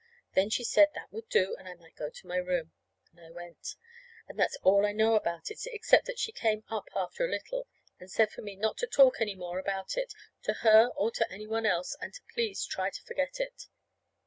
Then she said that would do, and I might go to my room. And I went. And that's all I know about it, except that she came up, after a little, and said for me not to talk any more about it, to her, or to any one else; and to please try to forget it.